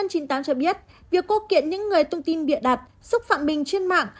ngân chín mươi tám cho biết việc cố kiện những người thông tin bịa đặt xúc phạm mình trên mạng